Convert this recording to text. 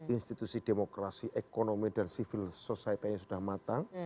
institusi demokrasi ekonomi dan civil society nya sudah matang